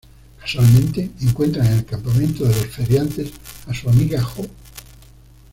Casualmente, encuentran en el campamento de los feriantes a su amiga Jo.